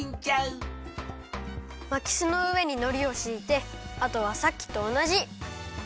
まきすのうえにのりをしいてあとはさっきとおなじ。